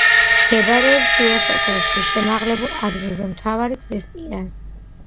მდებარეობს შუა სოფელში, შემაღლებულ ადგილზე მთავარი გზის პირას.